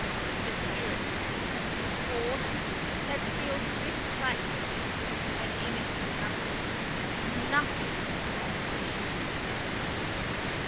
The spirit, the force, that filled this place had in it nothing, NOTHING of the human.